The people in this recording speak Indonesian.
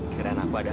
kira kira aku ada apa